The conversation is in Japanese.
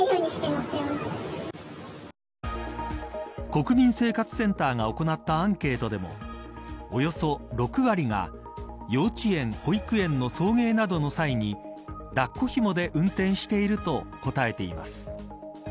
国民生活センターが行ったアンケートでもおよそ６割が幼稚園、保育園の送迎などの際に抱っこひもで運転していると答えています。